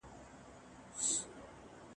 هغوی پخوا له خپلو ماتو څخه زده کړه کوله.